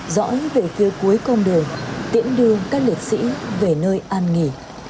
dõi về phía cuối con đường tiễn đưa các liệt sĩ về nơi an nghỉ